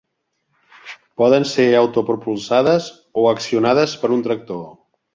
Poden ser autopropulsades o accionades per un tractor.